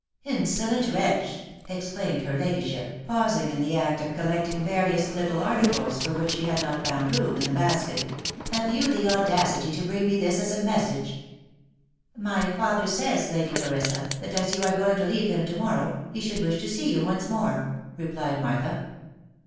" Insolent wretch !" exclaimed her ladyship, pausing in the act of collecting various little articles for which she had not found room in the basket, "have you the audacity to bring me this as a mes sage ?"" My father says, Lady Clarissa, that as you are going to leave him to morrow, he should wish to see you once more," replied Martha.